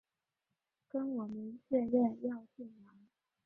跟我们确认要去哪